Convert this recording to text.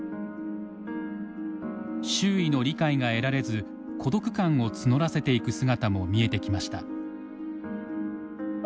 周囲の理解が得られず孤独感を募らせていく姿も見えてきました。